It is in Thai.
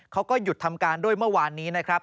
เขาก็หยุดทำการด้วยเมื่อวานนี้นะครับ